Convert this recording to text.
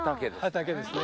畑ですね。